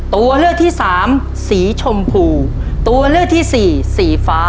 ตัวเลือกที่สามสีชมพูตัวเลือกที่สี่สีฟ้า